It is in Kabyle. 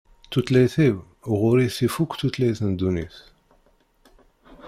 Tutlayt-iw, ɣur-i tif akk tutlayin n ddunit.